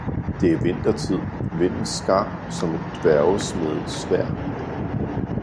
Det er vintertid, vinden skarp som et dværgesmedet sværd.